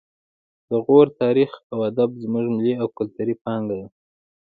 د غور تاریخ او ادب زموږ ملي او کلتوري پانګه ده